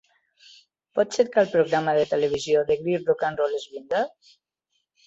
Pots cercar el programa de televisió The Great Rock 'n' Roll Swindle?